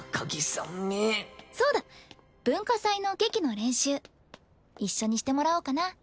そうだ文化祭の劇の練習一緒にしてもらおうかな。